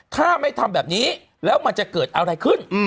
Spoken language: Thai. ถ้าไม่ทำแบบนี้แล้วมันจะเกิดอะไรขึ้น